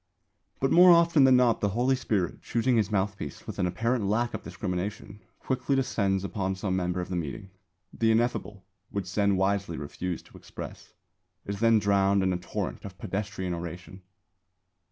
But more often than not the Holy Spirit, choosing his mouthpiece with an apparent lack of discrimination, quickly descends upon some member of the meeting. The ineffable, which Zen wisely refused to express, is then drowned in a torrent of pedestrian oration.